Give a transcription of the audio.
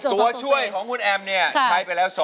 ตัวช่วยของคุณแอมเนี่ยใช้ไปแล้ว๒